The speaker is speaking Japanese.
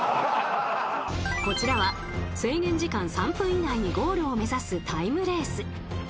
こちらは、制限時間３分以内にゴールを目指すタイムレース。